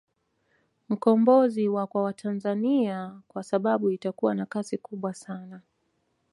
Mkombozi wa Kwa watanzania kwa sababu itakua na kasi kubwa sana